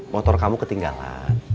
motor kamu ketinggalan